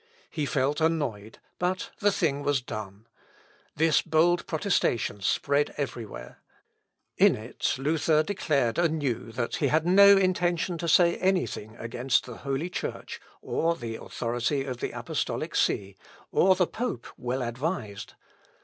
He felt annoyed, but the thing was done. This bold protestation spread every where. In it Luther declared anew that he had no intention to say any thing against the Holy Church, or the authority of the Apostolic See, or the pope well advised.